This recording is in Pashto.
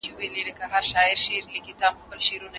که تمرکز ساتل سوی وای نو خطا نه ډېرېده.